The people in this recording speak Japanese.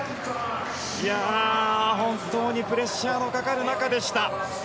本当にプレッシャーのかかる中でした。